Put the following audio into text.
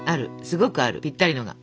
すごくあるぴったりのが。